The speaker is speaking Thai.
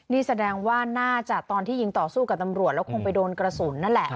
นี่แสดงว่าน่าจะตอนที่ยิงต่อสู้กับตำรวจแล้วคงไปโดนกระสุนนั่นแหละ